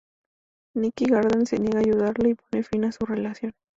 Nikki Gardner se niega a ayudarle y pone fin a su relación.